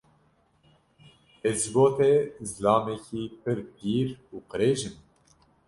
Ez ji bo te zilamekî pir pîr û qirêj im?